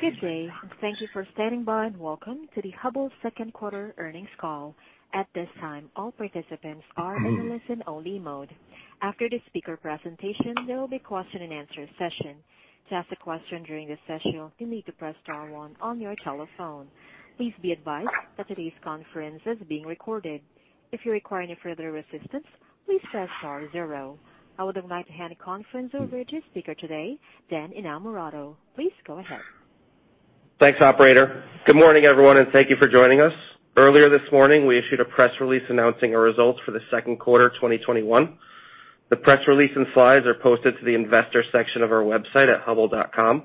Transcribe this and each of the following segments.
Good day. Thank you for standing by, and welcome to the Hubbell Second Quarter Earnings Call. At this time, all participants are in a listen-only mode. After the speaker presentation, there will be a question and answer session. To ask a question during this session, you'll need to press star one on your telephone. Please be advised that today's conference is being recorded. If you require any further assistance, please press star zero. I would like to hand the conference over to speaker today, Dan Innamorato. Please go ahead. Thanks, operator. Good morning, everyone, and thank you for joining us. Earlier this morning, we issued a press release announcing our results for the second quarter of 2021. The press release and slides are posted to the investor section of our website at hubbell.com.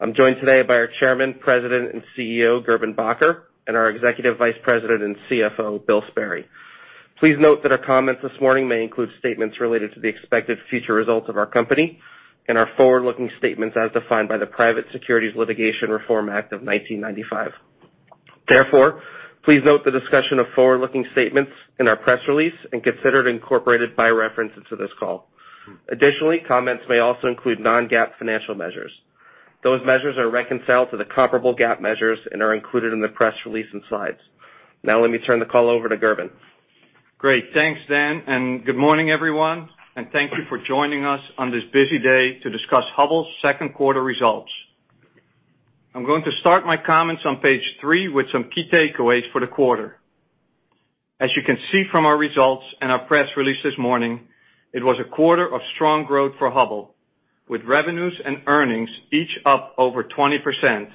I'm joined today by our Chairman, President, and CEO, Gerben Bakker, and our Executive Vice President and CFO, Bill Sperry. Please note that our comments this morning may include statements related to the expected future results of our company and are forward-looking statements as defined by the Private Securities Litigation Reform Act of 1995. Therefore, please note the discussion of forward-looking statements in our press release and consider it incorporated by reference into this call. Additionally, comments may also include non-GAAP financial measures. Those measures are reconciled to the comparable GAAP measures and are included in the press release and slides. Now let me turn the call over to Gerben. Great. Thanks, Dan. Good morning, everyone, and thank you for joining us on this busy day to discuss Hubbell's second quarter results. I'm going to start my comments on page three with some key takeaways for the quarter. As you can see from our results and our press release this morning, it was a quarter of strong growth for Hubbell, with revenues and earnings each up over 20%.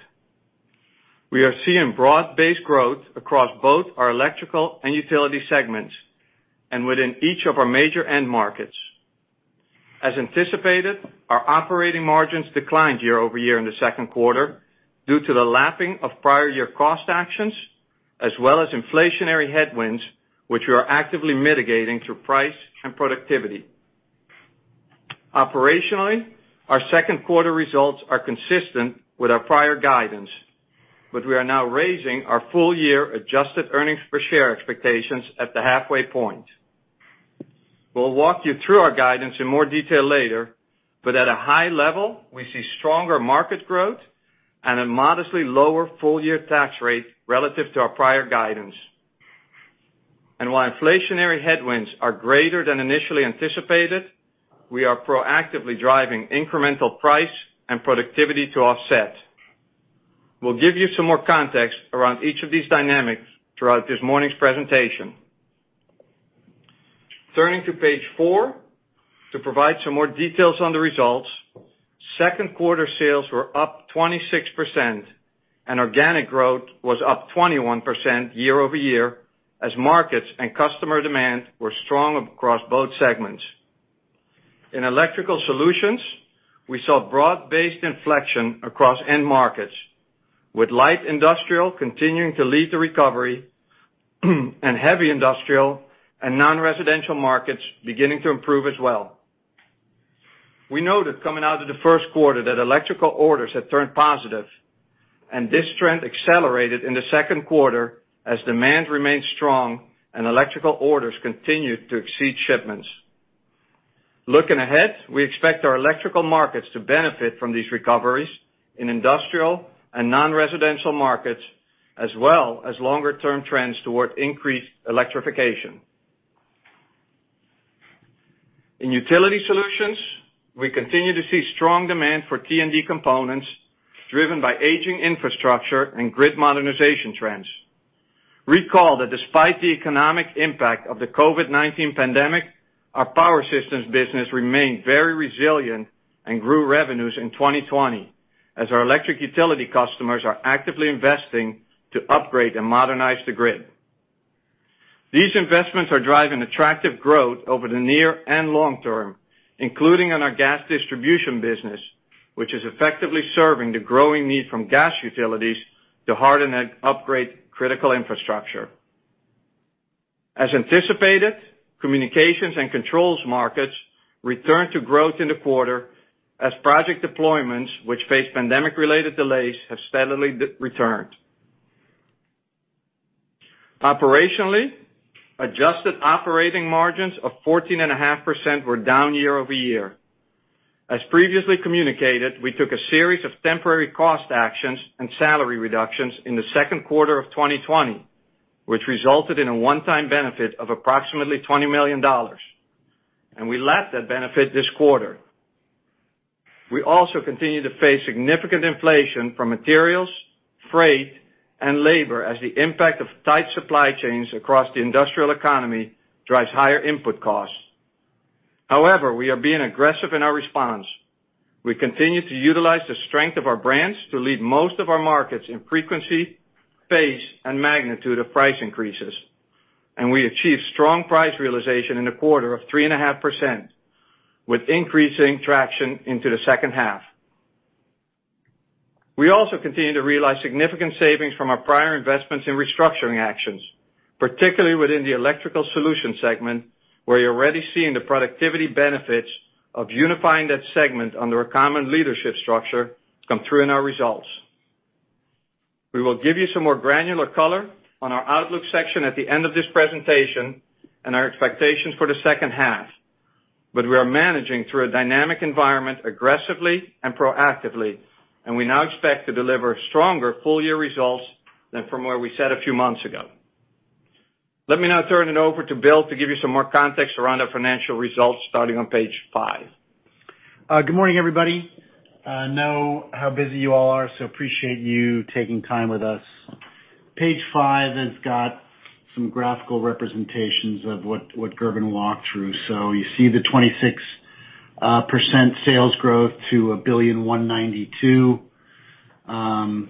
We are seeing broad-based growth across both our electrical and utility segments and within each of our major end markets. As anticipated, our operating margins declined year-over-year in the second quarter due to the lapping of prior year cost actions, as well as inflationary headwinds, which we are actively mitigating through price and productivity. Operationally, our second quarter results are consistent with our prior guidance, but we are now raising our full year adjusted earnings per share expectations at the halfway point. We'll walk you through our guidance in more detail later, but at a high level, we see stronger market growth and a modestly lower full-year tax rate relative to our prior guidance. While inflationary headwinds are greater than initially anticipated, we are proactively driving incremental price and productivity to offset. We'll give you some more context around each of these dynamics throughout this morning's presentation. Turning to page four to provide some more details on the results. Second quarter sales were up 26%, and organic growth was up 21% year-over-year as markets and customer demand were strong across both segments. In electrical solutions, we saw broad-based inflection across end markets, with light industrial continuing to lead the recovery and heavy industrial and non-residential markets beginning to improve as well. We noted coming out of the first quarter that electrical orders had turned positive. This trend accelerated in the second quarter as demand remained strong and electrical orders continued to exceed shipments. Looking ahead, we expect our electrical markets to benefit from these recoveries in industrial and non-residential markets, as well as longer-term trends toward increased electrification. In utility solutions, we continue to see strong demand for T&D components driven by aging infrastructure and grid modernization trends. Recall that despite the economic impact of the COVID-19 pandemic, our Power Systems business remained very resilient and grew revenues in 2020 as our electric utility customers are actively investing to upgrade and modernize the grid. These investments are driving attractive growth over the near and long term, including in our gas distribution business, which is effectively serving the growing need from gas utilities to harden and upgrade critical infrastructure. As anticipated, communications and controls markets returned to growth in the quarter as project deployments, which faced pandemic-related delays, have steadily returned. Operationally, adjusted operating margins of 14.5% were down year-over-year. As previously communicated, we took a series of temporary cost actions and salary reductions in the second quarter of 2020, which resulted in a one-time benefit of approximately $20 million, and we lapped that benefit this quarter. We also continue to face significant inflation from materials, freight, and labor as the impact of tight supply chains across the industrial economy drives higher input costs. However, we are being aggressive in our response. We continue to utilize the strength of our brands to lead most of our markets in frequency, pace, and magnitude of price increases, and we achieved strong price realization in the quarter of 3.5% with increasing traction into the second half. We also continue to realize significant savings from our prior investments in restructuring actions, particularly within the Electrical Solutions segment, where you're already seeing the productivity benefits of unifying that segment under a common leadership structure come through in our results. We will give you some more granular color on our outlook section at the end of this presentation and our expectations for the second half. We are managing through a dynamic environment aggressively and proactively, and we now expect to deliver stronger full-year results than from where we said a few months ago. Let me now turn it over to Bill to give you some more context around our financial results, starting on page five. Good morning, everybody. I know how busy you all are, so appreciate you taking time with us. Page five has got some graphical representations of what Gerben walked through. You see the 26% sales growth to $1.192 billion.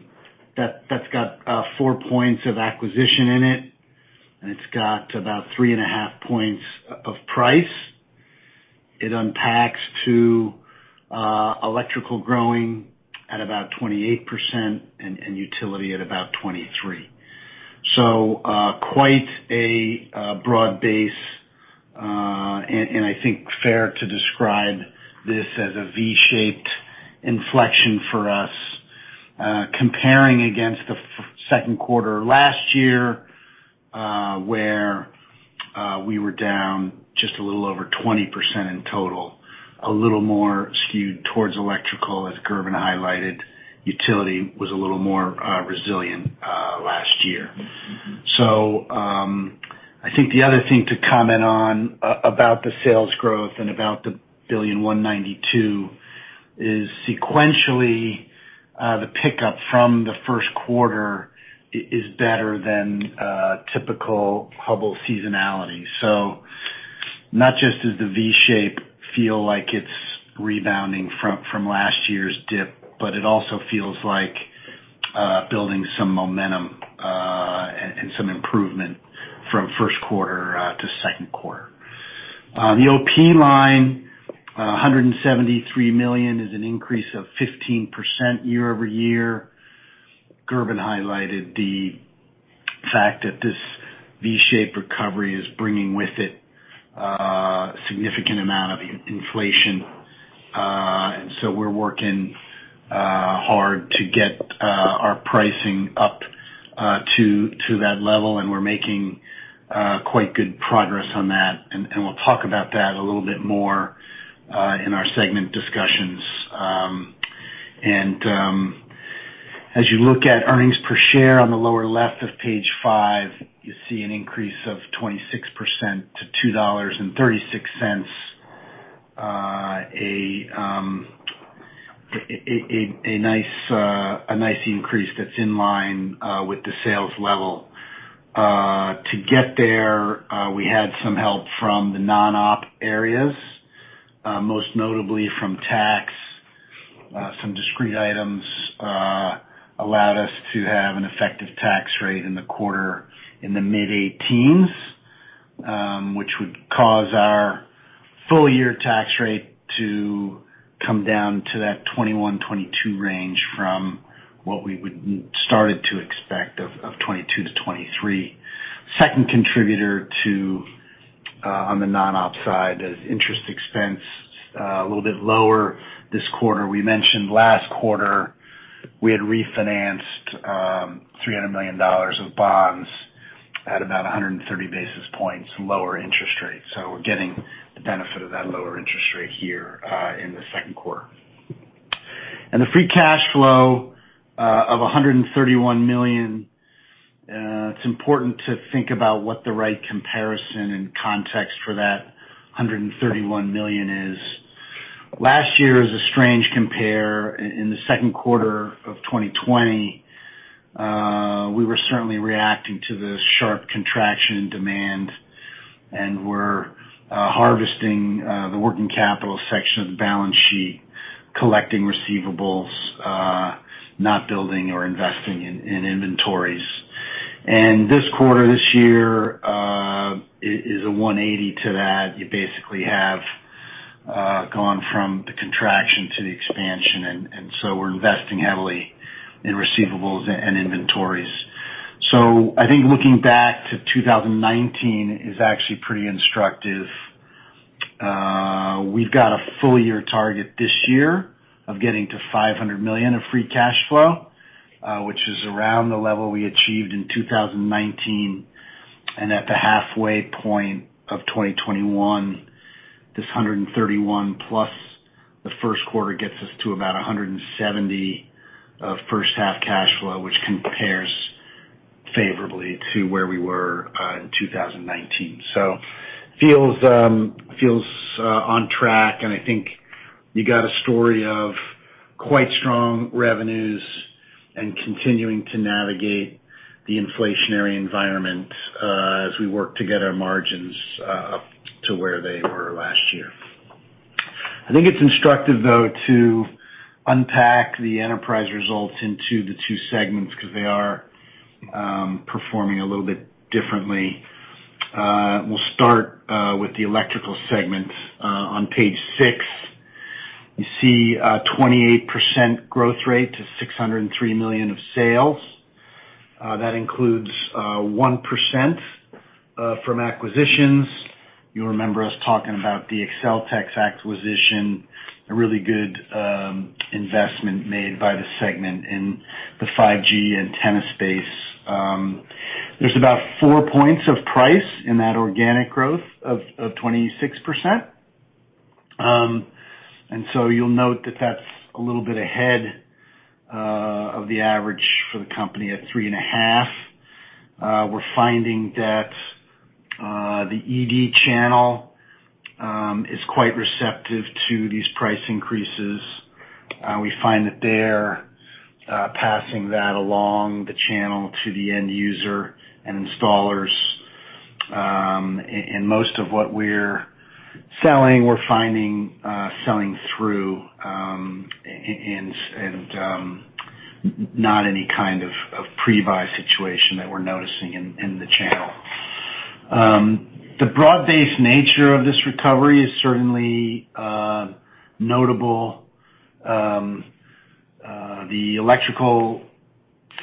That's got 4 points of acquisition in it, and it's got about 3.5 points of price. It unpacks to electrical growing at about 28% and utility at about 23%. Quite a broad base, and I think fair to describe this as a V-shaped inflection for us, comparing against the second quarter last year, where we were down just a little over 20% in total, a little more skewed towards electrical, as Gerben highlighted. Utility was a little more resilient last year. I think the other thing to comment on about the sales growth and about the $1.192 billion is sequentially, the pickup from the first quarter is better than typical Hubbell seasonality. Not just does the V shape feel like it's rebounding from last year's dip, but it also feels like building some momentum and some improvement from first quarter to second quarter. The OP line, $173 million, is an increase of 15% year-over-year. Gerben highlighted the fact that this V-shaped recovery is bringing with it a significant amount of inflation. We're working hard to get our pricing up to that level, and we're making quite good progress on that, and we'll talk about that a little bit more in our segment discussions. As you look at earnings per share on the lower left of page five, you see an increase of 26% to $2.36. A nice increase that's in line with the sales level. To get there, we had some help from the non-op areas, most notably from tax. Some discrete items allowed us to have an effective tax rate in the quarter in the mid-18s, which would cause our full-year tax rate to come down to that 21%-22% range from what we would started to expect of 22%-23%. Second contributor on the non-op side is interest expense. A little bit lower this quarter. We mentioned last quarter, we had refinanced $300 million of bonds at about 130 basis points lower interest rate. We're getting the benefit of that lower interest rate here in the second quarter. The free cash flow of $131 million, it's important to think about what the right comparison and context for that $131 million is. Last year is a strange compare. In the second quarter of 2020, we were certainly reacting to the sharp contraction in demand, and we're harvesting the working capital section of the balance sheet, collecting receivables, not building or investing in inventories. This quarter, this year, is a 180 to that. You basically have gone from the contraction to the expansion, and so we're investing heavily in receivables and inventories. I think looking back to 2019 is actually pretty instructive. We've got a full-year target this year of getting to $500 million of free cash flow, which is around the level we achieved in 2019. At the halfway point of 2021, this $131 million+, the first quarter gets us to about $170 million of first half cash flow, which compares favorably to where we were in 2019. Feels on track, and I think you got a story of quite strong revenues and continuing to navigate the inflationary environment as we work to get our margins up to where they were last year. I think it's instructive, though, to unpack the enterprise results into the two segments because they are performing a little bit differently. We'll start with the electrical segment. On page six, you see a 28% growth rate to $603 million of sales. That includes 1% from acquisitions. You'll remember us talking about the AccelTex acquisition, a really good investment made by the segment in the 5G antenna space. There's about 4 points of price in that organic growth of 26%. You'll note that's a little bit ahead of the average for the company at 3.5. We're finding that the ED channel is quite receptive to these price increases. We find that they're passing that along the channel to the end user and installers. Most of what we're selling, we're finding selling through, and not any kind of pre-buy situation that we're noticing in the channel. The broad-based nature of this recovery is certainly notable. The electrical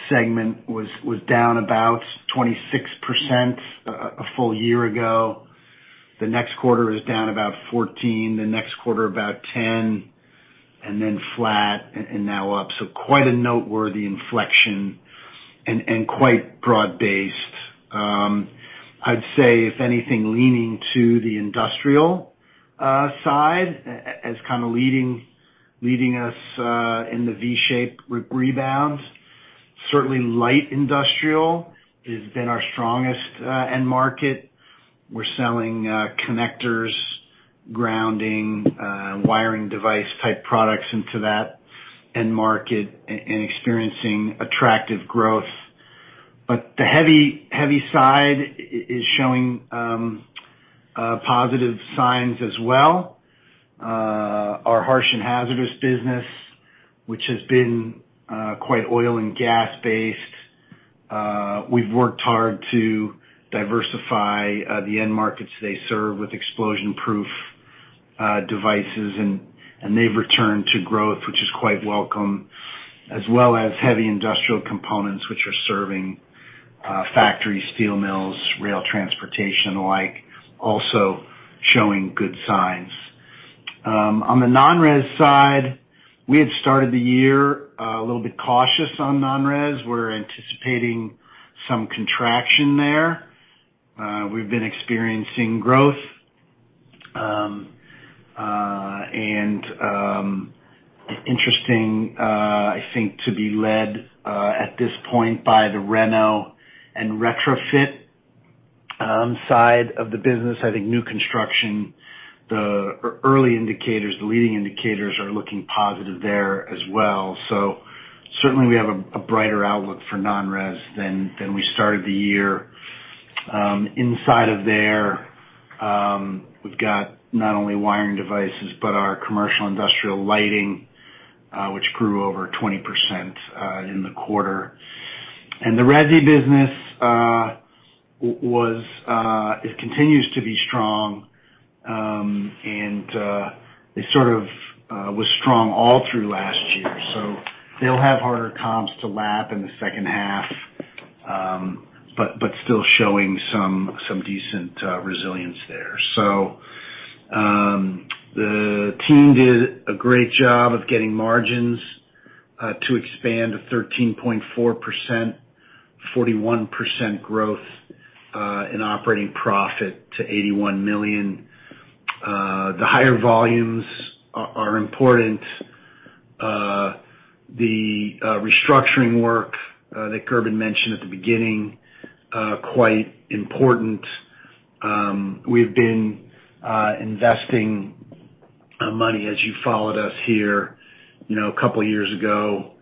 segment was down about 26% a full year ago. The next quarter is down about 14%, the next quarter about 10%, and then flat, and now up. Quite a noteworthy inflection and quite broad-based. I'd say, if anything, leaning to the industrial side as kind of leading us in the V-shaped rebound. Certainly light industrial has been our strongest end market. We're selling connectors, grounding, wiring device type products into that end market and experiencing attractive growth. The heavy side is showing positive signs as well. Our harsh and hazardous business, which has been quite oil and gas-based, we've worked hard to diversify the end markets they serve with explosion-proof devices, and they've returned to growth, which is quite welcome. As well as heavy industrial components, which are serving factories, steel mills, rail transportation, the like, also showing good signs. On the non-res side, we had started the year a little bit cautious on non-res. We were anticipating some contraction there. We've been experiencing growth. Interesting, I think, to be led at this point by the reno and retrofit side of the business. I think new construction, the early indicators, the leading indicators are looking positive there as well. Certainly we have a brighter outlook for non-res than we started the year. Inside of there, we've got not only wiring devices, but our commercial industrial lighting, which grew over 20% in the quarter. The resi business, it continues to be strong, and it sort of was strong all through last year. They'll have harder comps to lap in the second half, but still showing some decent resilience there. The team did a great job of getting margins to expand to 13.4%, 41% growth in operating profit to $81 million. The higher volumes are important. The restructuring work that Gerben mentioned at the beginning, quite important. We've been investing money, as you followed us here. A couple of years ago,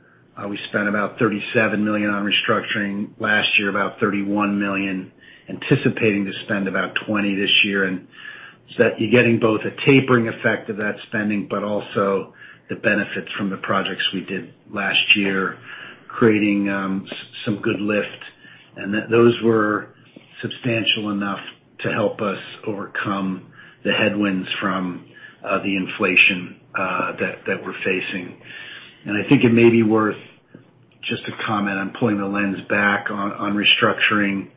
we spent about $37 million on restructuring. Last year, about $31 million, anticipating to spend about $20 million this year. That you're getting both a tapering effect of that spending, but also the benefits from the projects we did last year, creating some good lift. Those were substantial enough to help us overcome the headwinds from the inflation that we're facing. I think it may be worth just to comment on pulling the lens back on restructuring.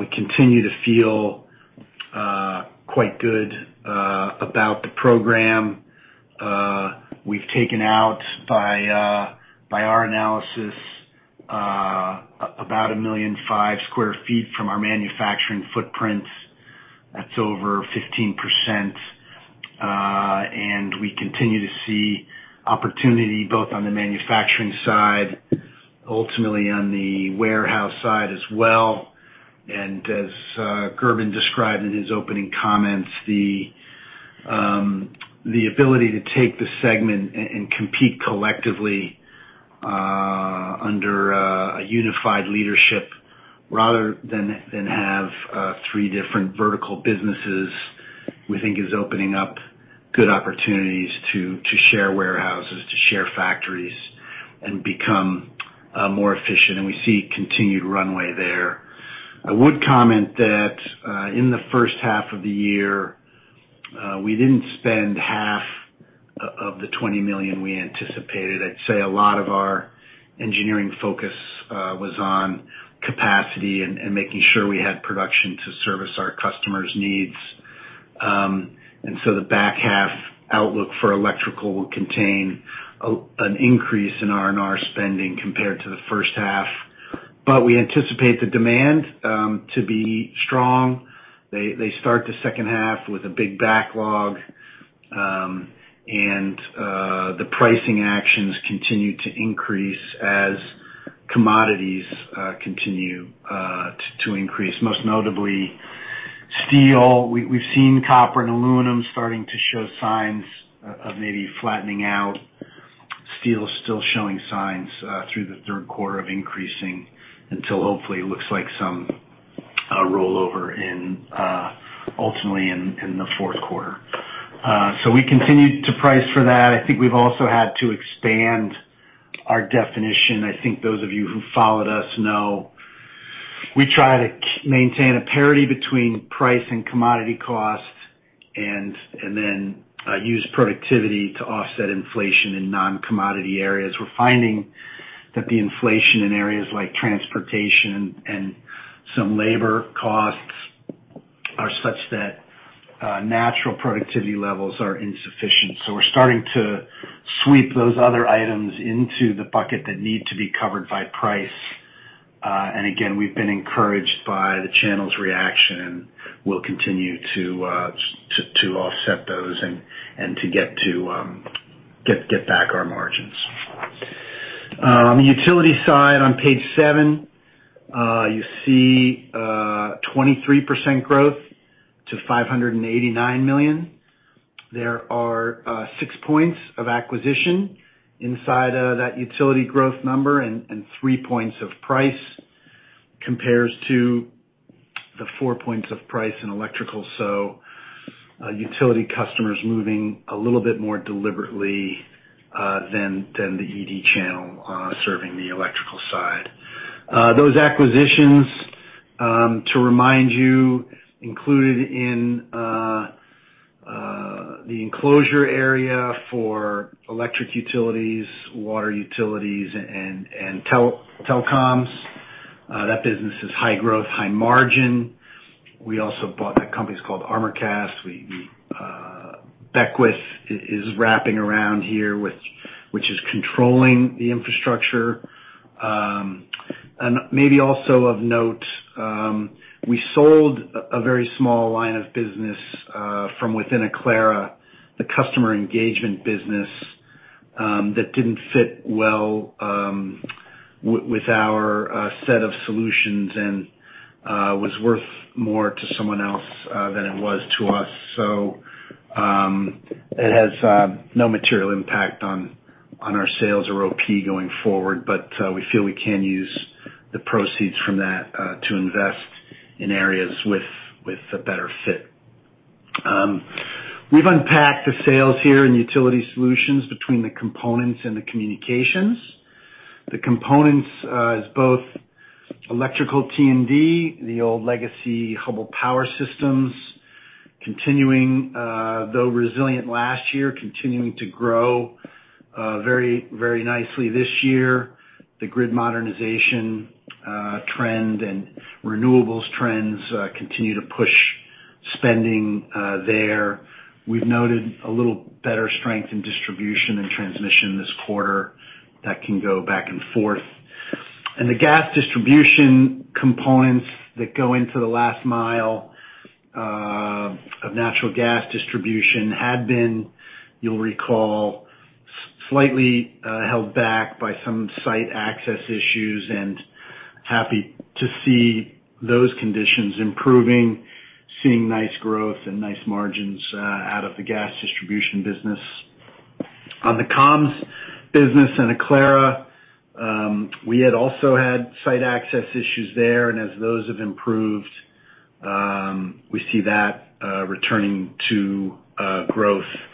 We continue to feel quite good about the program. We've taken out, by our analysis, about 1,005,000 sq ft from our manufacturing footprints. That's over 15%. We continue to see opportunity both on the manufacturing side, ultimately on the warehouse side as well. As Gerben described in his opening comments, the ability to take the segment and compete collectively under a unified leadership rather than have three different vertical businesses, we think is opening up good opportunities to share warehouses, to share factories, and become more efficient. We see continued runway there. I would comment that in the first half of the year, we didn't spend half of the $20 million we anticipated, I'd say a lot of our engineering focus was on capacity and making sure we had production to service our customers' needs. The back half outlook for electrical will contain an increase in R&R spending compared to the first half. We anticipate the demand to be strong. They start the second half with a big backlog, and the pricing actions continue to increase as commodities continue to increase, most notably steel. We've seen copper and aluminum starting to show signs of maybe flattening out. Steel is still showing signs through the third quarter of increasing until hopefully it looks like some rollover ultimately in the fourth quarter. We continue to price for that. I think we've also had to expand our definition. I think those of you who followed us know we try to maintain a parity between price and commodity cost, and then use productivity to offset inflation in non-commodity areas. We're finding that the inflation in areas like transportation and some labor costs are such that natural productivity levels are insufficient. We're starting to sweep those other items into the bucket that need to be covered by price. Again, we've been encouraged by the channel's reaction, and we'll continue to offset those and to get back our margins. On the utility side, on page seven, you see a 23% growth to $589 million. There are 6 points of acquisition inside that utility growth number and 3 points of price, compares to the 4 points of price in electrical. Utility customers moving a little bit more deliberately than the ED channel serving the electrical side. Those acquisitions, to remind you, included in the enclosure area for electric utilities, water utilities, and telecoms. That business is high growth, high margin. We also bought, that company's called Armorcast. Beckwith is wrapping around here, which is controlling the infrastructure. Maybe also of note, we sold a very small line of business from within Aclara, the customer engagement business, that didn't fit well with our set of solutions and was worth more to someone else than it was to us. It has no material impact on our sales or OP going forward. We feel we can use the proceeds from that to invest in areas with a better fit. We've unpacked the sales here in utility solutions between the components and the communications. The components is both electrical T&D, the old legacy Hubbell Power Systems, continuing, though resilient last year, continuing to grow very nicely this year. The grid modernization trend and renewables trends continue to push spending there. We've noted a little better strength in distribution and transmission this quarter. That can go back and forth. The gas distribution components that go into the last mile of natural gas distribution had been, you'll recall, slightly held back by some site access issues, and happy to see those conditions improving, seeing nice growth and nice margins out of the gas distribution business. On the comms business and Aclara, we had also had site access issues there. As those have improved, we see that returning to growth. Again,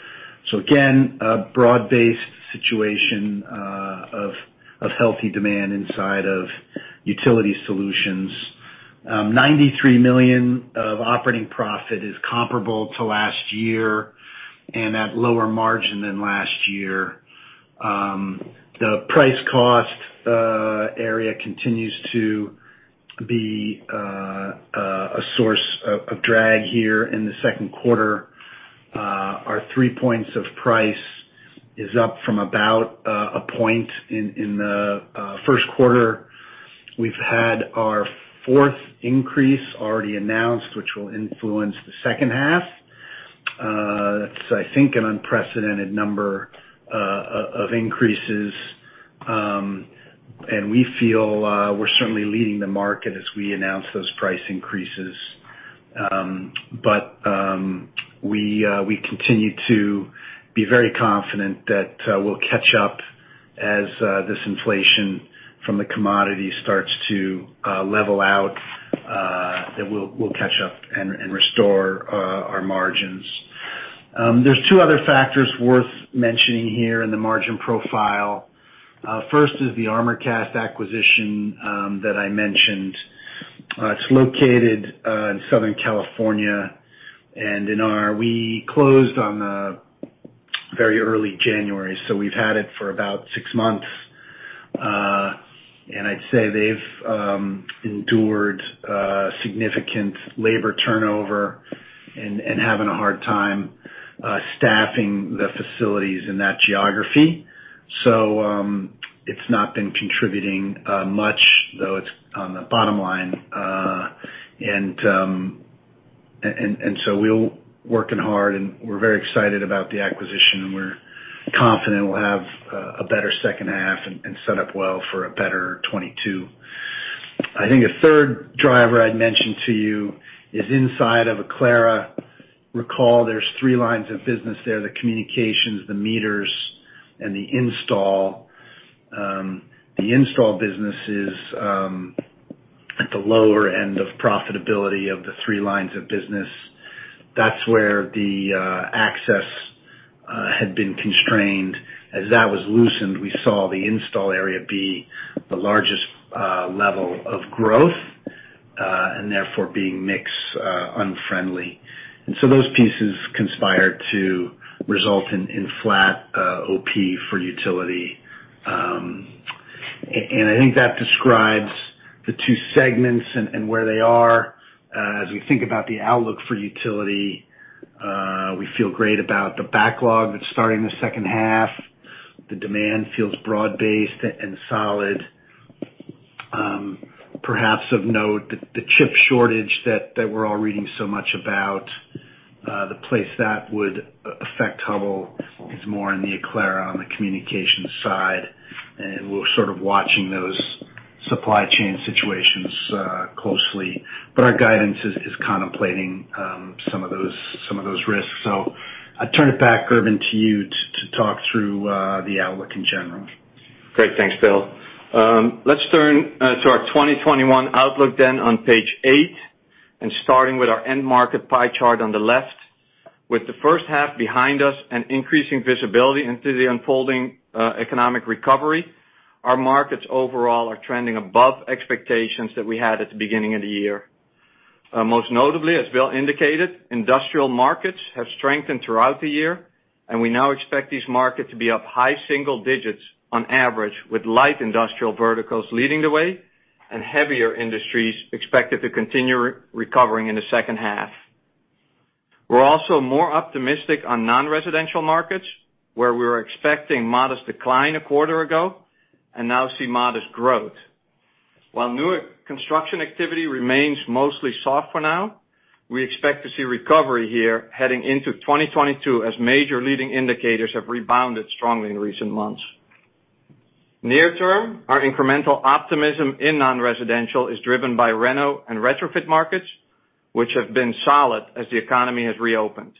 a broad-based situation of healthy demand inside of utility solutions. $93 million of operating profit is comparable to last year and at lower margin than last year. The price cost area continues to be a source of drag here in the second quarter. Our 3 points of price is up from about a point in the first quarter. We've had our fourth increase already announced, which will influence the second half. That's, I think, an unprecedented number of increases. We feel we're certainly leading the market as we announce those price increases. We continue to be very confident that we'll catch up as this inflation from the commodity starts to level out, that we'll catch up and restore our margins. There's two other factors worth mentioning here in the margin profile. First is the Armorcast acquisition that I mentioned. It's located in Southern California, and we closed on very early January, so we've had it for about six months. I'd say they've endured significant labor turnover and having a hard time staffing the facilities in that geography. It's not been contributing much, though it's on the bottom line. So we're working hard, and we're very excited about the acquisition, and we're confident we'll have a better second half and set up well for a better 2022. I think a third driver I'd mention to you is inside of Aclara. Recall there's three lines of business there, the communications, the meters, and the install. The install business is at the lower end of profitability of the three lines of business. That's where the access had been constrained. As that was loosened, we saw the install area be the largest level of growth, and therefore being mix unfriendly. Those pieces conspired to result in flat OP for utility. I think that describes the two segments and where they are. As we think about the outlook for utility, we feel great about the backlog that's starting the second half. The demand feels broad-based and solid. Perhaps of note, the chip shortage that we're all reading so much about, the place that would affect Hubbell is more in the Aclara, on the communications side. We're sort of watching those supply chain situations closely. Our guidance is contemplating some of those risks. I turn it back, Gerben, to you to talk through the outlook in general. Great. Thanks, Bill. Let's turn to our 2021 outlook on page eight, starting with our end market pie chart on the left. With the first half behind us and increasing visibility into the unfolding economic recovery, our markets overall are trending above expectations that we had at the beginning of the year. Most notably, as Bill indicated, industrial markets have strengthened throughout the year. We now expect these markets to be up high single digits on average, with light industrial verticals leading the way and heavier industries expected to continue recovering in the second half. We're also more optimistic on non-residential markets, where we were expecting modest decline a quarter ago and now see modest growth. While new construction activity remains mostly soft for now, we expect to see recovery here heading into 2022 as major leading indicators have rebounded strongly in recent months. Near term, our incremental optimism in non-residential is driven by reno and retrofit markets, which have been solid as the economy has reopened.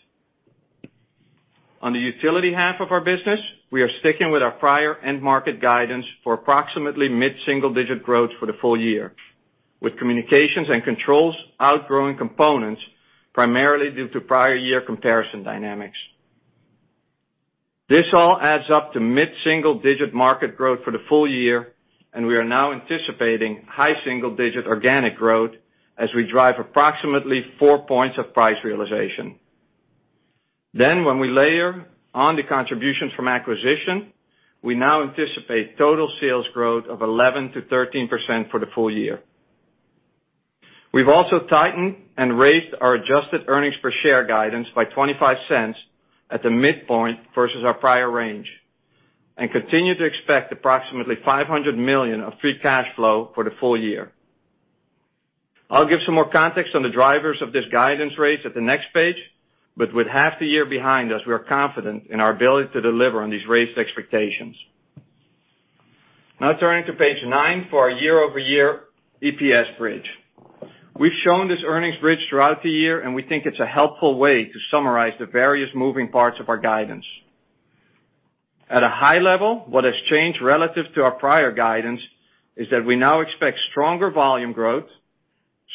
On the utility half of our business, we are sticking with our prior end-market guidance for approximately mid-single-digit growth for the full year, with communications and controls outgrowing components primarily due to prior year comparison dynamics. This all adds up to mid-single-digit market growth for the full year, and we are now anticipating high single-digit organic growth as we drive approximately 4 points of price realization. When we layer on the contributions from acquisition, we now anticipate total sales growth of 11%-13% for the full year. We've also tightened and raised our adjusted earnings per share guidance by $0.25 at the midpoint versus our prior range and continue to expect approximately $500 million of free cash flow for the full year. I'll give some more context on the drivers of this guidance raise at the next page, but with half the year behind us, we are confident in our ability to deliver on these raised expectations. Now turning to page nine for our year-over-year EPS bridge. We've shown this earnings bridge throughout the year, and we think it's a helpful way to summarize the various moving parts of our guidance. At a high level, what has changed relative to our prior guidance is that we now expect stronger volume growth,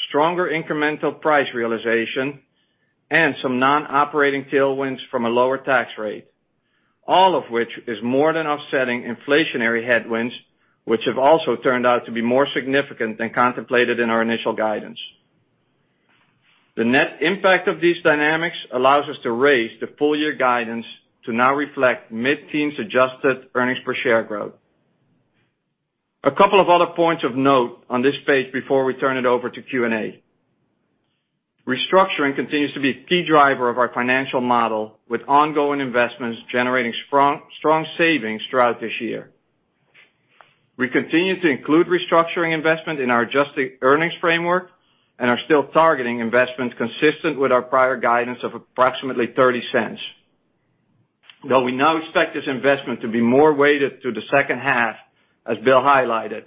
stronger incremental price realization, and some non-operating tailwinds from a lower tax rate, all of which is more than offsetting inflationary headwinds, which have also turned out to be more significant than contemplated in our initial guidance. The net impact of these dynamics allows us to raise the full year guidance to now reflect mid-teens adjusted earnings per share growth. A couple of other points of note on this page before we turn it over to Q&A. Restructuring continues to be a key driver of our financial model, with ongoing investments generating strong savings throughout this year. We continue to include restructuring investment in our adjusted earnings framework and are still targeting investments consistent with our prior guidance of approximately $0.30. Though we now expect this investment to be more weighted to the second half, as Bill highlighted,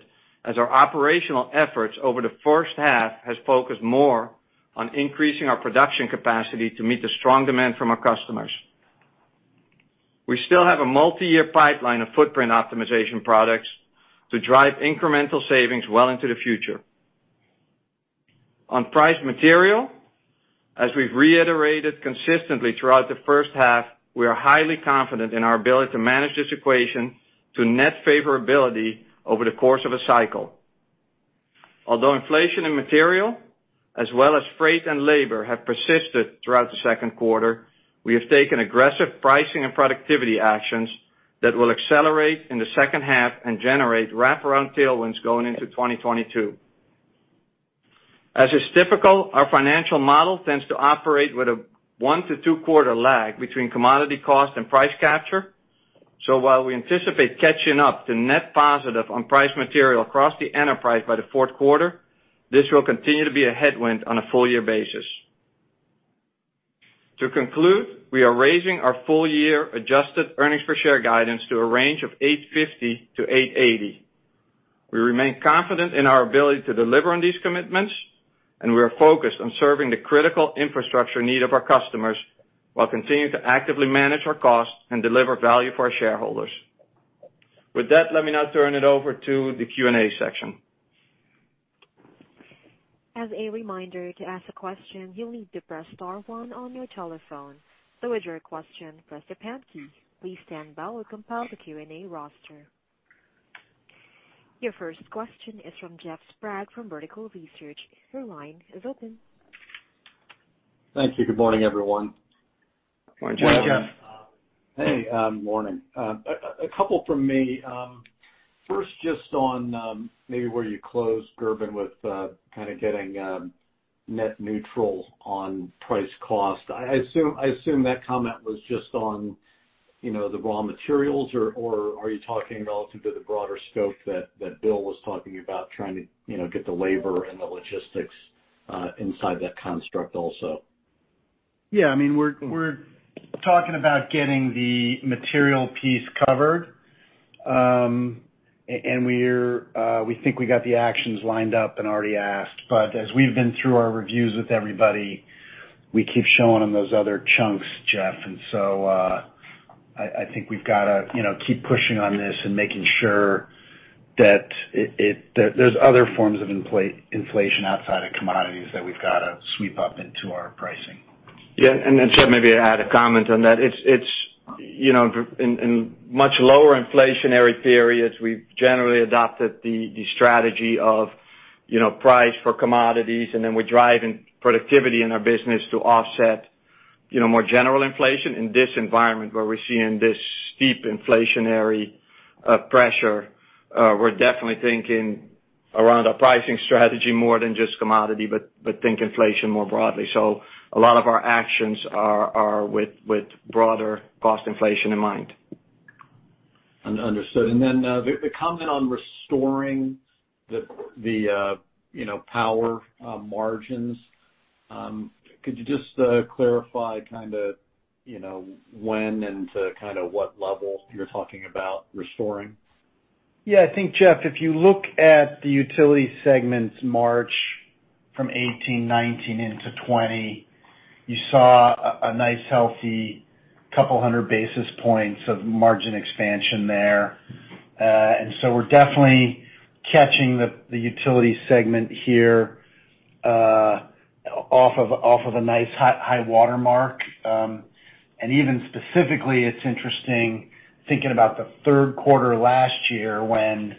as our operational efforts over the first half has focused more on increasing our production capacity to meet the strong demand from our customers. We still have a multi-year pipeline of footprint optimization products to drive incremental savings well into the future. On price material. As we've reiterated consistently throughout the first half, we are highly confident in our ability to manage this equation to net favorability over the course of a cycle. Although inflation in material, as well as freight and labor, have persisted throughout the second quarter, we have taken aggressive pricing and productivity actions that will accelerate in the second half and generate wraparound tailwinds going into 2022. As is typical, our financial model tends to operate with a one to two-quarter lag between commodity cost and price capture. While we anticipate catching up to net positive on price material across the enterprise by the fourth quarter, this will continue to be a headwind on a full-year basis. To conclude, we are raising our full-year adjusted earnings per share guidance to a range of $8.50-$8.80. We remain confident in our ability to deliver on these commitments, and we are focused on serving the critical infrastructure need of our customers while continuing to actively manage our costs and deliver value for our shareholders. With that, let me now turn it over to the Q&A section. As a reminder to ask a question, you'll need to press star one on your telephone. To withdraw your question, press the pound key. Please standby while we compile the Q&A roster. Your first question is from Jeff Sprague from Vertical Research. Your line is open. Thank you. Good morning, everyone. Good morning, Jeff. Good morning, Jeff. Hey, morning. A couple from me. First, just on maybe where you closed, Gerben, with kind of getting net neutral on price cost. I assume that comment was just on the raw materials, or are you talking relative to the broader scope that Bill was talking about trying to get the labor and the logistics inside that construct also? Yeah. We're talking about getting the material piece covered. We think we got the actions lined up and already asked. As we've been through our reviews with everybody, we keep showing them those other chunks, Jeff. I think we've got to keep pushing on this and making sure that there's other forms of inflation outside of commodities that we've got to sweep up into our pricing. Yeah. Jeff, maybe add a comment on that. In much lower inflationary periods, we've generally adopted the strategy of price for commodities, and then we drive productivity in our business to offset more general inflation. In this environment where we're seeing this steep inflationary pressure, we're definitely thinking around our pricing strategy more than just commodity, but think inflation more broadly. A lot of our actions are with broader cost inflation in mind. Understood. The comment on restoring the power margins, could you just clarify when and to what level you're talking about restoring? Yeah, I think, Jeff, if you look at the utility segments March from 2018, 2019 into 2020, you saw a nice healthy couple of basis points of margin expansion there. We're definitely catching the utility segment here off of a nice high watermark. Even specifically, it's interesting thinking about the third quarter last year when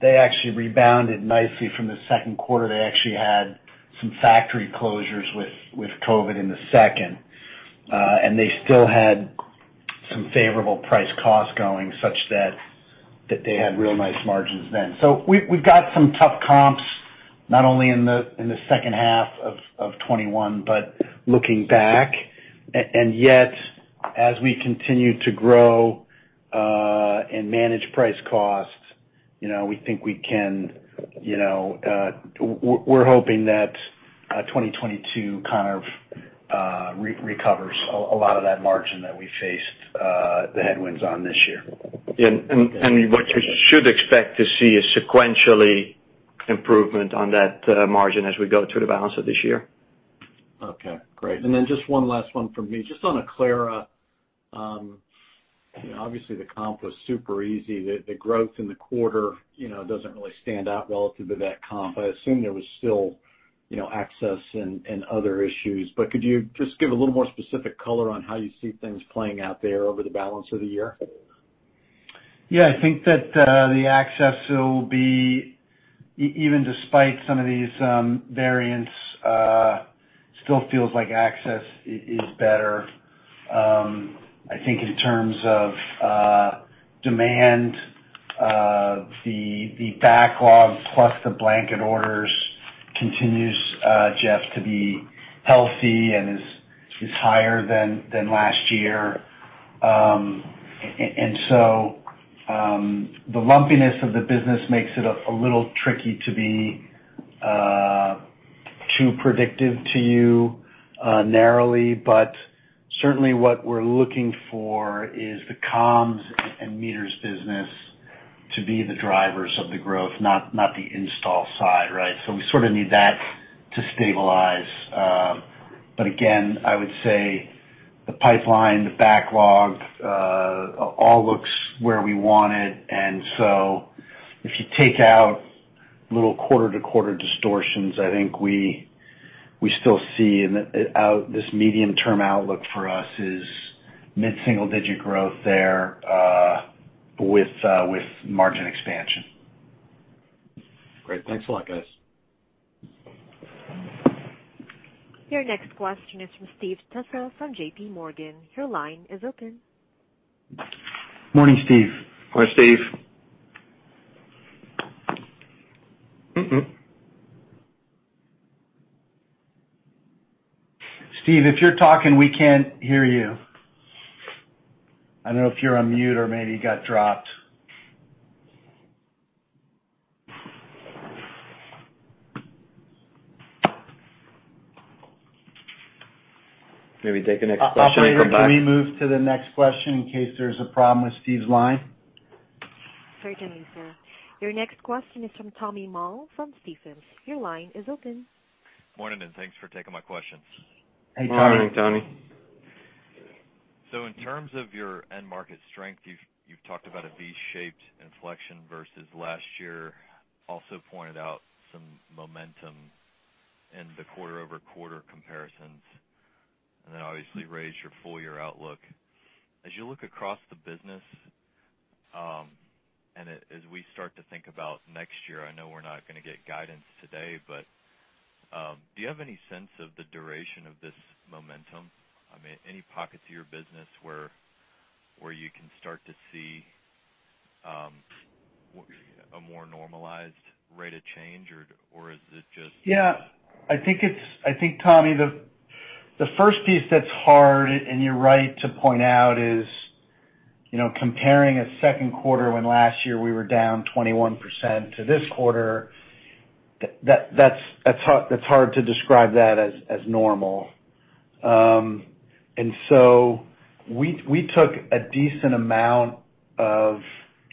they actually rebounded nicely from the second quarter. They actually had some factory closures with COVID in the second. They still had some favorable price cost going, such that they had real nice margins then. We've got some tough comps, not only in the second half of 2021, but looking back. As we continue to grow and manage price costs, we're hoping that 2022 kind of recovers a lot of that margin that we faced the headwinds on this year. Yeah. What you should expect to see is sequentially improvement on that margin as we go through the balance of this year. Okay, great. Just one last one from me. Just on Aclara. Obviously, the comp was super easy. The growth in the quarter doesn't really stand out relative to that comp. I assume there was still access and other issues. Could you just give a little more specific color on how you see things playing out there over the balance of the year? Yeah, I think that the access will be, even despite some of these variants, still feels like access is better. I think in terms of demand, the backlog plus the blanket orders continues, Jeff, to be healthy and is higher than last year. The lumpiness of the business makes it a little tricky to be too predictive to you narrowly. Certainly, what we're looking for is the comms and meters business to be the drivers of the growth, not the install side. We sort of need that to stabilize. Again, I would say the pipeline, the backlog, all looks where we want it. If you take out little quarter-to-quarter distortions, I think we still see this medium-term outlook for us is mid-single-digit growth there with margin expansion. Great. Thanks a lot, guys. Your next question is from Steve Tusa from J.P. Morgan. Your line is open. Morning, Steve. Hi, Steve. Steve, if you're talking, we can't hear you. I don't know if you're on mute or maybe you got dropped. Maybe take the next question and come back. Operator, can we move to the next question in case there's a problem with Steve's line? Certainly, sir. Your next question is from Tommy Moll from Stephens. Your line is open. Morning, thanks for taking my questions. Hey, Tommy. Morning, Tommy. In terms of your end market strength, you've talked about a V-shaped inflection versus last year, also pointed out some momentum in the quarter-over-quarter comparisons, and then obviously raised your full-year outlook. As you look across the business, and as we start to think about next year, I know we're not going to get guidance today, but do you have any sense of the duration of this momentum? Any pockets of your business where you can start to see a more normalized rate of change, or is it just? Yeah, I think, Tommy, the first piece that is hard, and you are right to point out, is comparing a second quarter when last year we were down 21% to this quarter, that is hard to describe that as normal. We took a decent amount of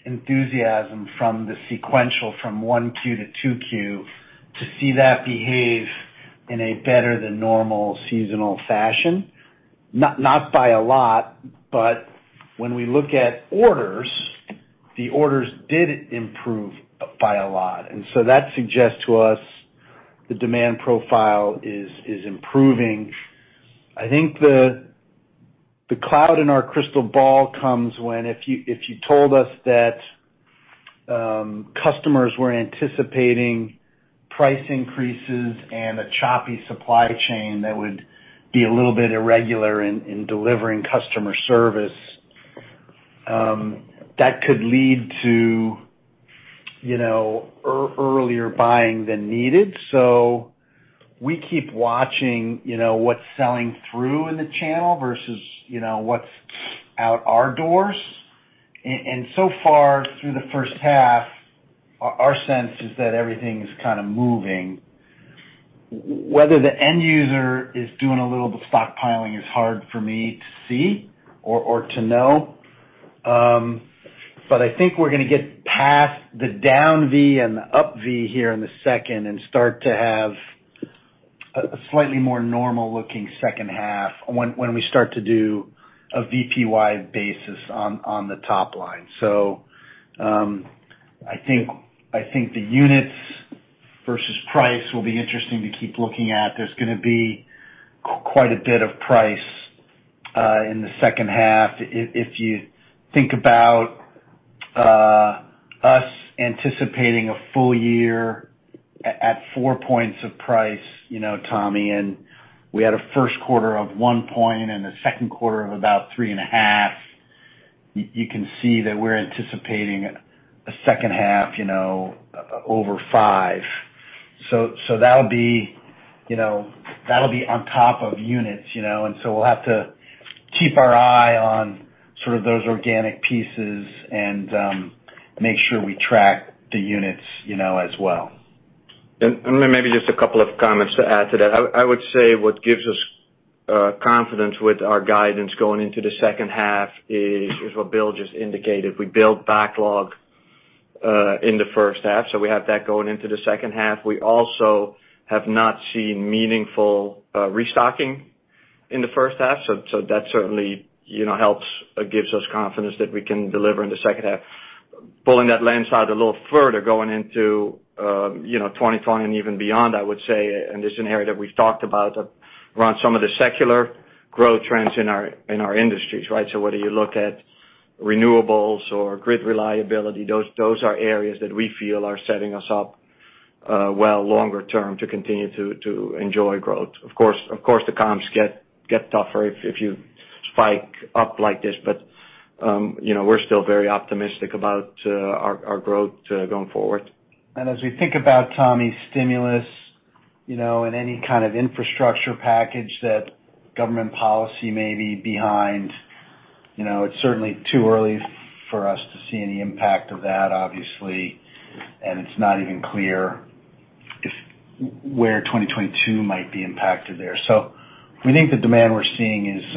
enthusiasm from the sequential from 1Q to 2Q to see that behave in a better than normal seasonal fashion. Not by a lot, but when we look at orders, the orders did improve by a lot. That suggests to us the demand profile is improving. I think the cloud in our crystal ball comes when, if you told us that customers were anticipating price increases and a choppy supply chain, that would be a little bit irregular in delivering customer service. That could lead to earlier buying than needed. We keep watching what's selling through in the channel versus what's out our doors. So far through the first half, our sense is that everything's kind of moving. Whether the end user is doing a little bit of stockpiling is hard for me to see or to know. I think we're going to get past the down V and the up V here in the second and start to have a slightly more normal-looking second half when we start to do a VPY basis on the top line. I think the units versus price will be interesting to keep looking at. There's going to be quite a bit of price in the second half. If you think about us anticipating a full year at 4 points of price, Tommy, and we had a first quarter of 1 point and a second quarter of about 3.5, you can see that we're anticipating a second half over 5. That'll be on top of units. We'll have to keep our eye on sort of those organic pieces and make sure we track the units as well. Maybe just a couple of comments to add to that. I would say what gives us confidence with our guidance going into the second half is what Bill just indicated. We built backlog in the first half, so we have that going into the second half. We also have not seen meaningful restocking in the first half, so that certainly helps or gives us confidence that we can deliver in the second half. Pulling that lens out a little further, going into 2020 and even beyond, I would say, and this is an area that we've talked about around some of the secular growth trends in our industries, right? Whether you look at renewables or grid reliability, those are areas that we feel are setting us up well longer term to continue to enjoy growth. Of course, the comps get tougher if you spike up like this. We're still very optimistic about our growth going forward. As we think about, Tommy, stimulus and any kind of infrastructure package that government policy may be behind, it's certainly too early for us to see any impact of that, obviously, and it's not even clear where 2022 might be impacted there. We think the demand we're seeing is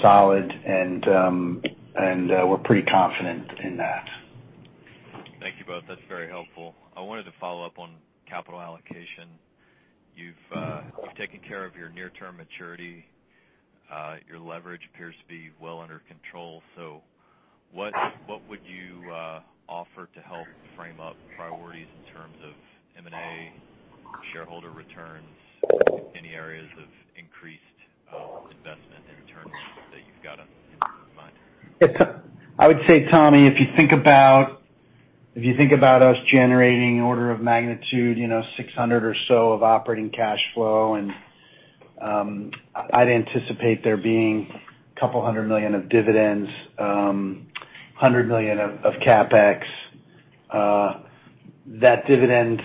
solid, and we're pretty confident in that. Thank you both. That's very helpful. I wanted to follow up on capital allocation. You've taken care of your near-term maturity. Your leverage appears to be well under control. What would you offer to help frame up priorities in terms of M&A, shareholder returns, any areas of increased investment in terms that you've got in mind? I would say, Tommy, if you think about us generating order of magnitude, $600 million or so of operating cash flow, and I'd anticipate there being couple of hundred million of dividends, $100 million of CapEx. That dividend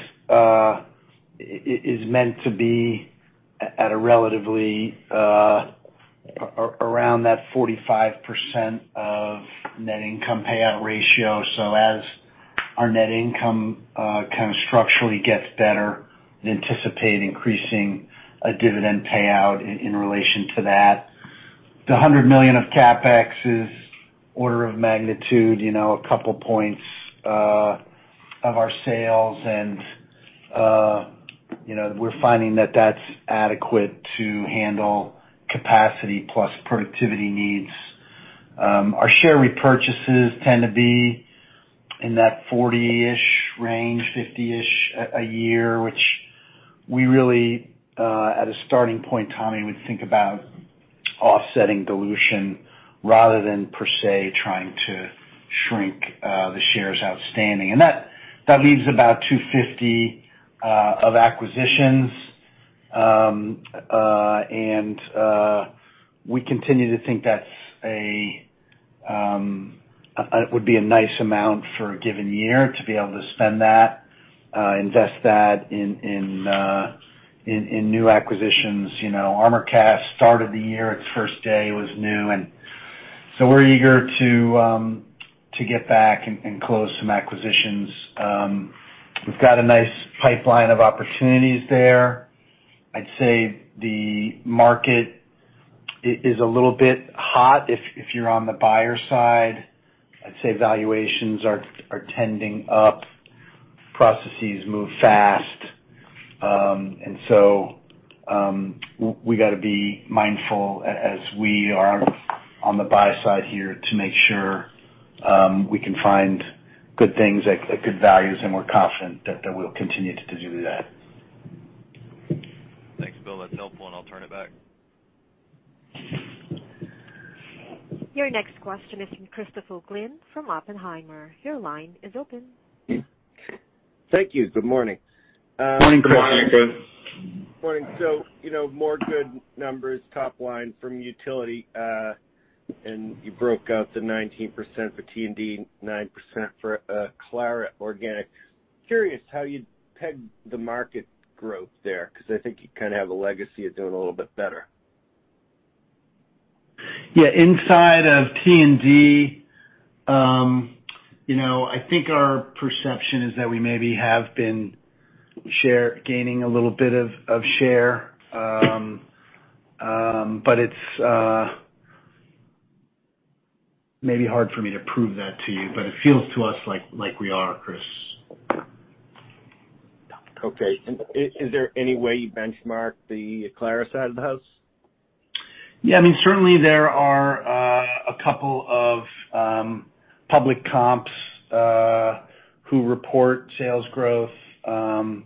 is meant to be at a relatively around that 45% of net income payout ratio. As our net income kind of structurally gets better, we anticipate increasing a dividend payout in relation to that. The $100 million of CapEx is order of magnitude, couple of points of our sales, and we're finding that that's adequate to handle capacity plus productivity needs. Our share repurchases tend to be in that 40-ish range, 50-ish a year, which we really, at a starting point, Tommy, would think about offsetting dilution rather than per se trying to shrink the shares outstanding. That leaves about $250 million of acquisitions. We continue to think that would be a nice amount for a given year to be able to spend that, invest that in new acquisitions. Armorcast started the year, its first day was new. We're eager to get back and close some acquisitions. We've got a nice pipeline of opportunities there. I'd say the market is a little bit hot if you're on the buyer side. I'd say valuations are tending up. Processes move fast. We got to be mindful as we are on the buy side here to make sure we can find good things at good values. We're confident that we'll continue to do that. Thanks, Bill. That's helpful and I'll turn it back. Your next question is from Christopher Glynn from Oppenheimer. Your line is open. Thank you. Good morning. Morning, Chris. Good morning. Morning. More good numbers top line from utility. You broke out the 19% for T&D, 9% for Aclara organic. Curious how you'd peg the market growth there, because I think you kind of have a legacy of doing a little bit better. Yeah, inside of T&D, I think our perception is that we maybe have been gaining a little bit of share. It's maybe hard for me to prove that to you, but it feels to us like we are, Chris. Okay. Is there any way you benchmark the Aclara side of the house? Yeah, certainly there are a couple of public comps who report sales growth from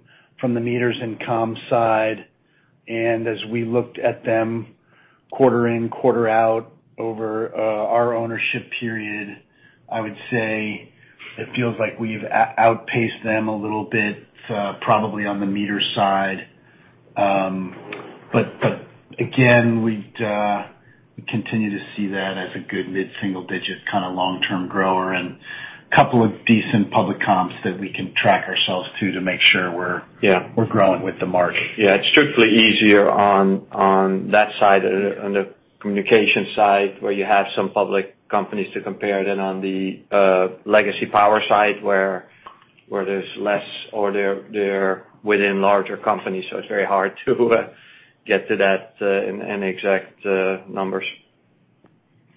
the meters and comm side. As we looked at them quarter in, quarter out over our ownership period, I would say it feels like we've outpaced them a little bit, probably on the meter side. Again, we continue to see that as a good mid-single digit kind of long-term grower and a couple of decent public comps that we can track ourselves to make sure, we're growing with the market. Yeah. It's strictly easier on that side, on the communication side, where you have some public companies to compare than on the legacy power side where there's less or they're within larger companies. It's very hard to get to that in any exact numbers.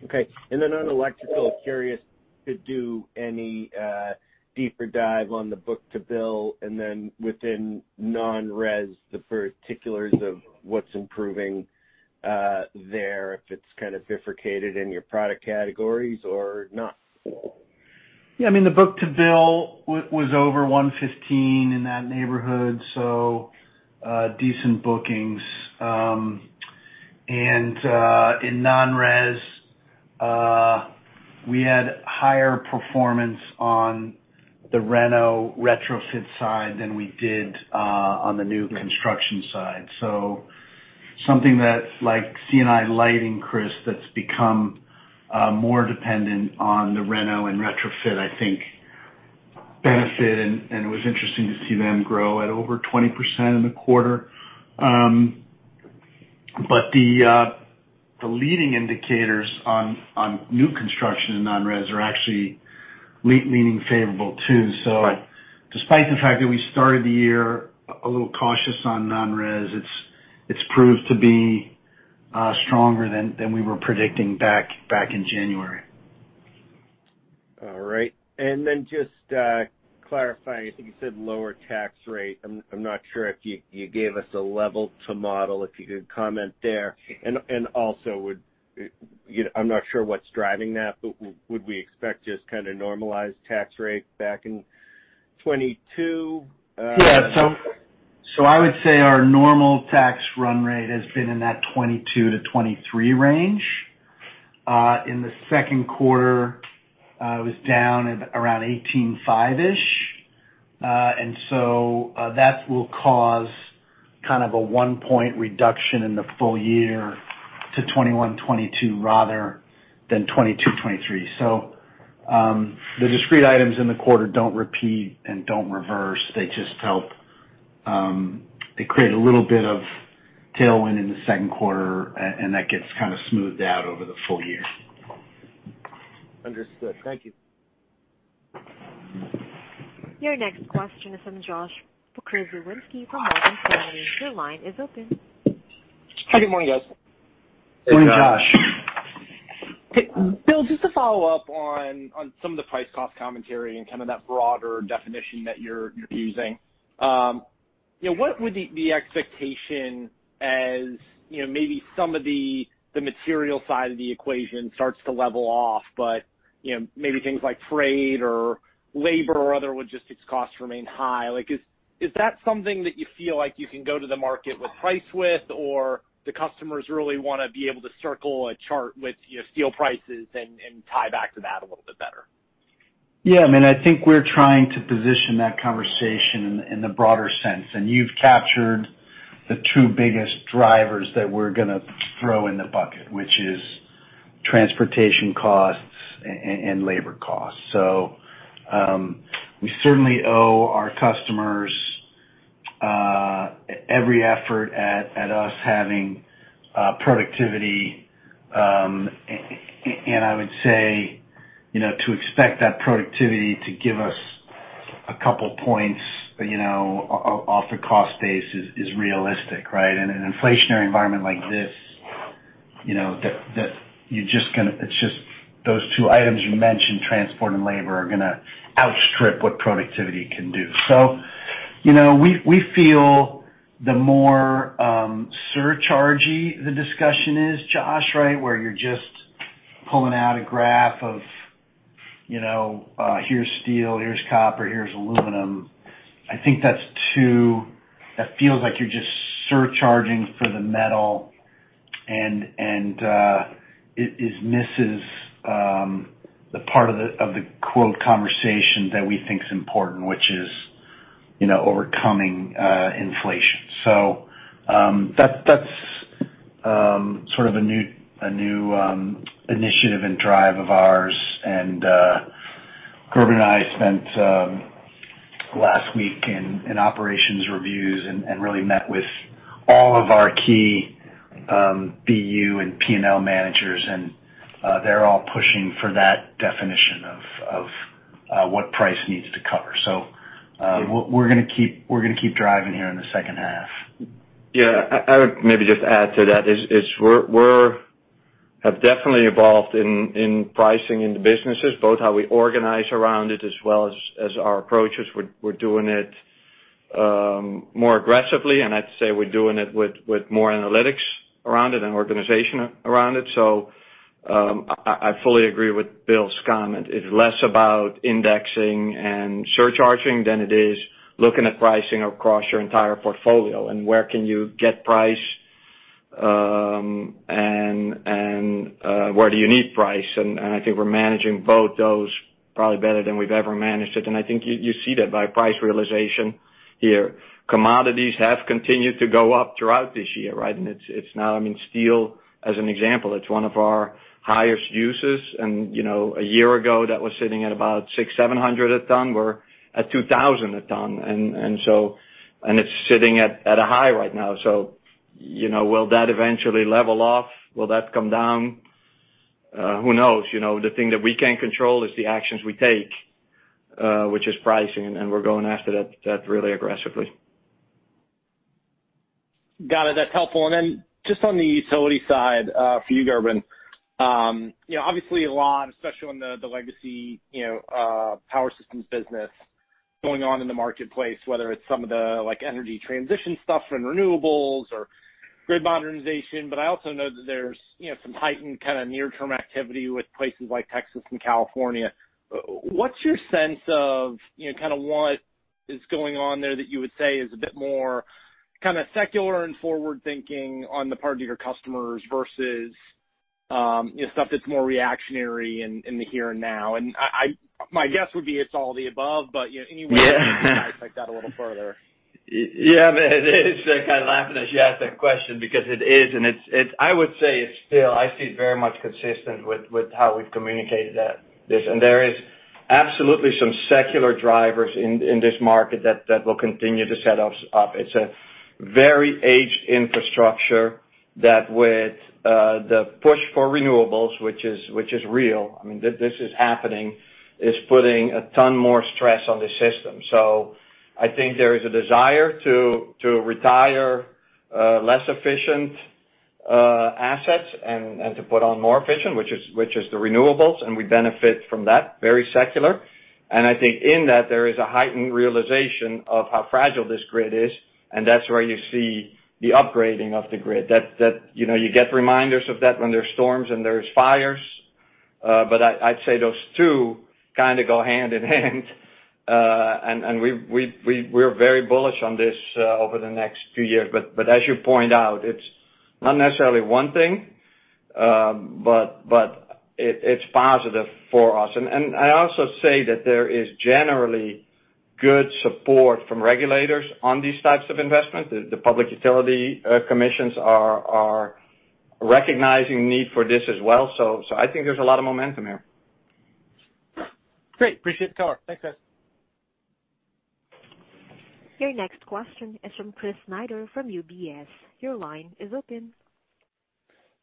Okay. On electrical, curious to do any deeper dive on the book to bill and then within non-res, the particulars of what's improving there, if it's kind of bifurcated in your product categories or not? Yeah, the book to bill was over 115 in that neighborhood. Decent bookings. In non-res, we had higher performance on the reno retrofit side than we did on the new construction side. Something that's like C&I lighting, Chris, that's become more dependent on the reno and retrofit, I think, benefit, and it was interesting to see them grow at over 20% in the quarter. The leading indicators on new construction in non-res are actually leaning favorable too. Despite the fact that we started the year a little cautious on non-res, it's proved to be stronger than we were predicting back in January. All right. Just to clarify, I think you said lower tax rate. I'm not sure if you gave us a level to model, if you could comment there. I'm not sure what's driving that, but would we expect just kind of normalized tax rate back in 2022? Yeah. I would say our normal tax run rate has been in that 22%-23% range. In the second quarter, it was down at around 18.5%. That will cause a 1-point reduction in the full year to 21.2%, rather than 22.2%. The discrete items in the quarter don't repeat and don't reverse. They just help create a little bit of tailwind in the second quarter, and that gets smoothed out over the full year. Understood. Thank you. Your next question is from Josh Pokrzywinski from Morgan Stanley. Your line is open. Hi. Good morning, guys. Good morning, Josh. Bill, just to follow up on some of the price cost commentary and kind of that broader definition that you're using. What would the expectation as maybe some of the material side of the equation starts to level off, but maybe things like trade or labor or other logistics costs remain high. Is that something that you feel like you can go to the market with price with? Or do customers really want to be able to circle a chart with steel prices and tie back to that a little bit better? Yeah, I think we're trying to position that conversation in the broader sense. You've captured the two biggest drivers that we're going to throw in the bucket, which is transportation costs and labor costs. We certainly owe our customers every effort at us having productivity. I would say to expect that productivity to give us a couple of points off the cost base is realistic, right? In an inflationary environment like this, those two items you mentioned, transport and labor, are going to outstrip what productivity can do. We feel the more surcharge-y the discussion is, Josh, where you're just pulling out a graph of here's steel, here's copper, here's aluminum. I think that feels like you're just surcharging for the metal, and it misses the part of the quote conversation that we think is important, which is overcoming inflation. That's sort of a new initiative and drive of ours. Gerben and I spent last week in operations reviews and really met with all of our key BU and P&L managers, and they're all pushing for that definition of what price needs to cover. We're going to keep driving here in the second half. Yeah. I would maybe just add to that is we have definitely evolved in pricing in the businesses, both how we organize around it as well as our approaches. We're doing it more aggressively, and I'd say we're doing it with more analytics around it and organization around it. I fully agree with Bill's comment. It's less about indexing and surcharging than it is looking at pricing across your entire portfolio, and where can you get price, and where do you need price? I think we're managing both those probably better than we've ever managed it. I think you see that by price realization here. Commodities have continued to go up throughout this year, right? Steel, as an example, it's one of our highest uses, and a year ago, that was sitting at about $600, $700 a ton. We're at $2,000 a ton, and it's sitting at a high right now. Will that eventually level off? Will that come down? Who knows? The thing that we can control is the actions we take, which is pricing, and we're going after that really aggressively. Got it. That's helpful. Then just on the utility side, for you, Gerben. Obviously a lot, especially on the legacy Power Systems business going on in the marketplace, whether it's some of the energy transition stuff and renewables or grid modernization. I also know that there's some heightened kind of near-term activity with places like Texas and California. What's your sense of kind of what is going on there that you would say is a bit more kind of secular and forward-thinking on the part of your customers versus stuff that's more reactionary in the here and now? My guess would be it's all the above. Clarify that a little further. Yeah, I'm kind of laughing as you ask that question because it is, and I would say it's still, I see it very much consistent with how we've communicated this. There is absolutely some secular drivers in this market that will continue to set us up. It's a very aged infrastructure that with the push for renewables, which is real, this is happening, is putting a ton more stress on the system. I think there is a desire to retire less efficient assets and to put on more efficient, which is the renewables, and we benefit from that. Very secular. I think in that there is a heightened realization of how fragile this grid is, and that's where you see the upgrading of the grid. You get reminders of that when there's storms and there's fires. I'd say those two kind of go hand in hand. We're very bullish on this over the next few years. As you point out, it's not necessarily one thing, but it's positive for us. I also say that there is generally good support from regulators on these types of investments. The public utility commissions are recognizing need for this as well. I think there's a lot of momentum here. Great. Appreciate the color. Thanks, guys. Your next question is from Chris Snyder from UBS. Your line is open.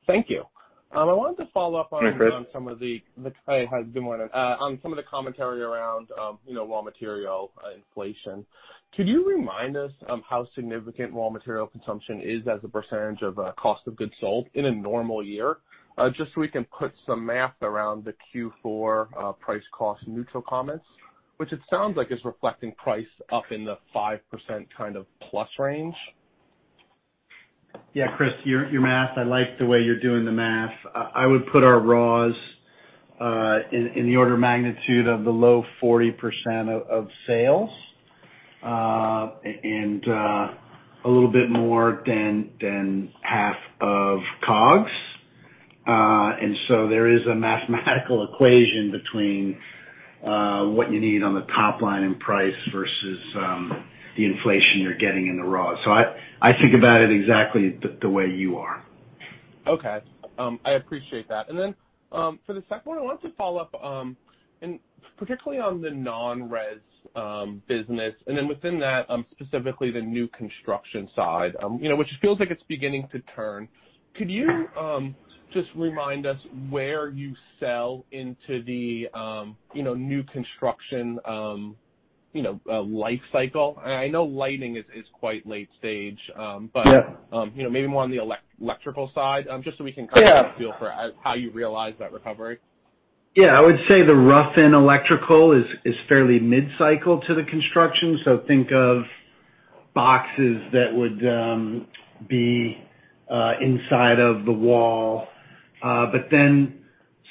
Thank you. I wanted to follow up on. Hi, Chris. Hi, good morning. Some of the commentary around raw material inflation. Could you remind us how significant raw material consumption is as a percentage of COGS in a normal year? We can put some math around the Q4 price cost neutral comments, which it sounds like is reflecting price up in the 5% kind of plus range. Yeah, Chris, your math, I like the way you're doing the math. I would put our raws in the order of magnitude of the low 40% of sales, and a little bit more than half of COGS. There is a mathematical equation between what you need on the top line in price versus the inflation you're getting in the raw. I think about it exactly the way you are. Okay. I appreciate that. For the second one, I wanted to follow up, and particularly on the non-res business, and then within that, specifically the new construction side, which feels like it's beginning to turn. Could you just remind us where you sell into the new construction life cycle? I know lighting is quite late stage. Maybe more on the electrical side, just so we can, kind of get a feel for how you realize that recovery. I would say the rough-in electrical is fairly mid-cycle to the construction.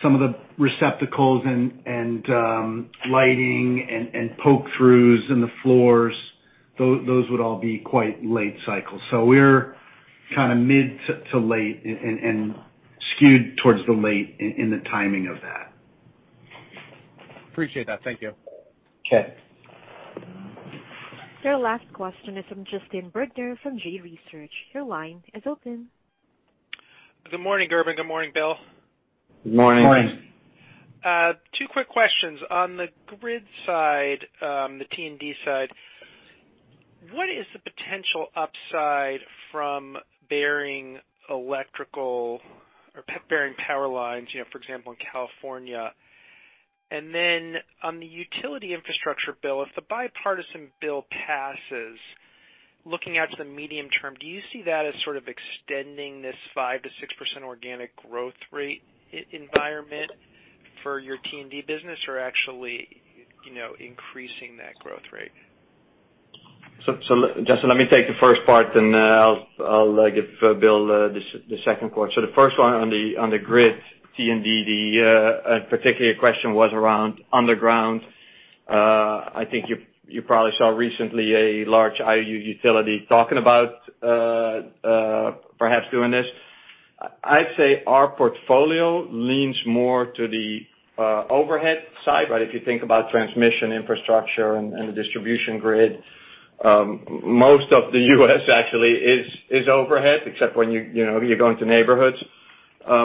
Some of the receptacles and lighting and poke-throughs in the floors, those would all be quite late cycle. We're kind of mid to late and skewed towards the late in the timing of that. Appreciate that. Thank you. Okay. Your last question is from Justin Bergner from G.Research. Your line is open. Good morning, Gerben. Good morning, Bill. Good morning. Morning. Two quick questions. On the grid side, the T&D side, what is the potential upside from burying electrical or burying power lines, for example, in California? On the utility infrastructure bill, if the bipartisan bill passes, looking out to the medium term, do you see that as sort of extending this 5%-6% organic growth rate environment for your T&D business, or actually increasing that growth rate? Justin, let me take the first part, and I'll give Bill the second part. The first one on the grid T&D, the particular question was around underground. I think you probably saw recently a large IOU utility talking about perhaps doing this. I'd say our portfolio leans more to the overhead side. If you think about transmission infrastructure and the distribution grid, most of the U.S. actually is overhead, except when you go into neighborhoods.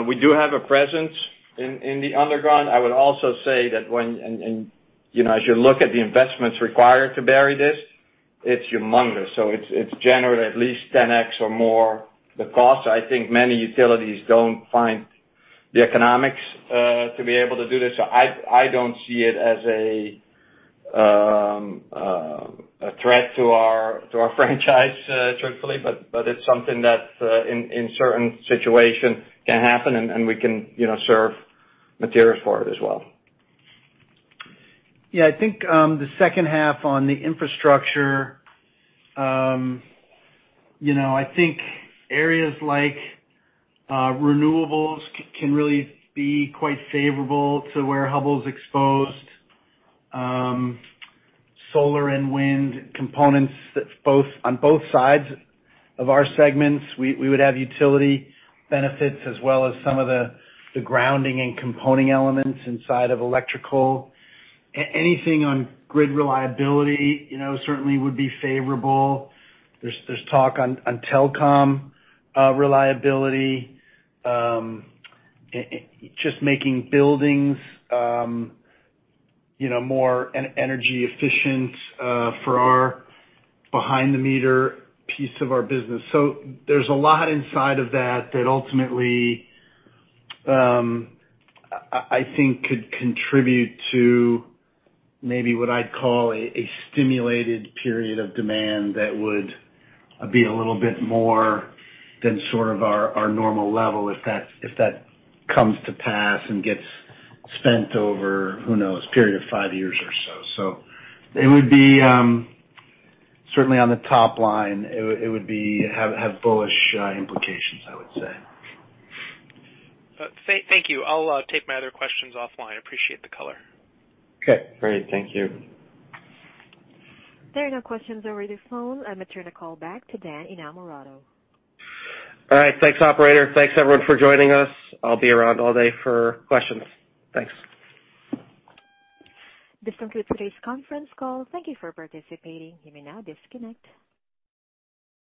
We do have a presence in the underground. I would also say that as you look at the investments required to bury this, it's humongous. It's generally at least 10x or more the cost. I think many utilities don't find the economics to be able to do this. I don't see it as a threat to our franchise truthfully, but it's something that in certain situations can happen, and we can serve materials for it as well. I think the second half on the infrastructure, I think areas like renewables can really be quite favorable to where Hubbell's exposed. Solar and wind components on both sides of our segments. We would have utility benefits as well as some of the grounding and component elements inside of electrical. Anything on grid reliability certainly would be favorable. There's talk on telecom reliability. Just making buildings more energy efficient for our behind the meter piece of our business. There's a lot inside of that ultimately, I think could contribute to maybe what I'd call a stimulated period of demand that would be a little bit more than sort of our normal level, if that comes to pass and gets spent over, who knows, a period of five years or so. It would be certainly on the top line. It would have bullish implications, I would say. Thank you. I'll take my other questions offline. Appreciate the color. Okay. Great. Thank you. There are no questions over the phone. I'm going to turn the call back to Dan Innamorato. All right. Thanks, operator. Thanks, everyone, for joining us. I'll be around all day for questions. Thanks. This concludes today's conference call. Thank you for participating. You may now disconnect.